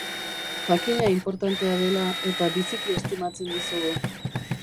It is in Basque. Jakina inportantea dela, eta biziki estimatzen dizugu.